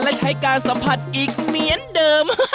และใช้การสัมผัสอีกเหมือนเดิม